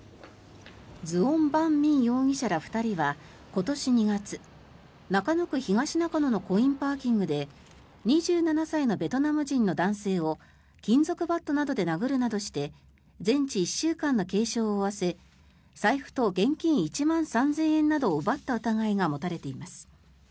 ズオン・バン・ミン容疑者ら２人は今年２月中野区東中野のコインパーキングで２７歳のベトナム人の男性を金属バットなどで殴るなどして全治１週間の軽傷を負わせ財布と現金１万３０００円などを奪った疑いが持たれています。